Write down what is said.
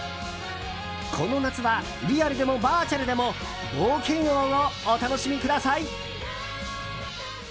この夏はリアルでもバーチャルでも冒険王をお楽しみください。